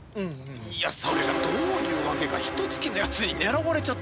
いやそれがどういう訳かヒトツ鬼のやつに狙われちゃってさ。